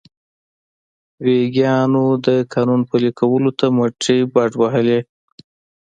ویګیانو د قانون پلي کولو ته مټې بډ وهلې.